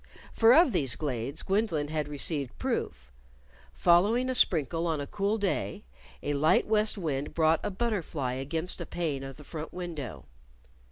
For of these glades Gwendolyn had received proof: Following a sprinkle on a cool day, a light west wind brought a butterfly against a pane of the front window.